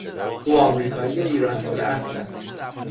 او امریکایی ایرانیالاصل است.